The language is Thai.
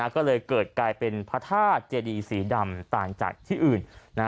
ก็เลยเกิดกลายเป็นพระธาตุเจดีสีดำต่างจากที่อื่น